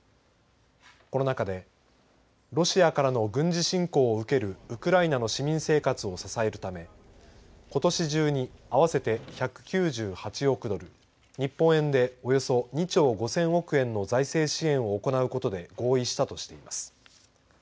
この中でロシアからの軍事侵攻を受けるウクライナの市民生活を支えるためことし中に合わせて１９８億ドル日本円でおよそ２兆５０００億円の財政支援を行うことで合意したとしています。